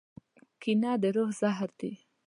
کینه د روح زهر دي.